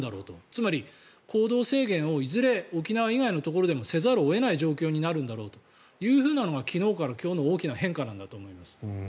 つまり、行動制限をいずれ沖縄以外のところでもせざるを得ない状況になるんだろうというのが昨日から今日の大きな変化なんだと思います。